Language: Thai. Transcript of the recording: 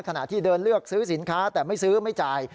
ขณะที่เดินเลือกซื้อสินค้าแต่ไม่ซื้อไม่จ่าย